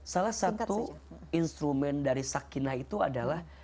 salah satu instrumen dari sakinah itu adalah